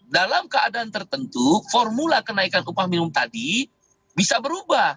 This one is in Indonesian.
dalam keadaan tertentu formula kenaikan upah minimum tadi bisa berubah